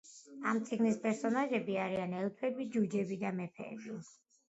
ამ წიგნის პერსონაჟები არიან ელფები, ჯუჯები და მეფეები.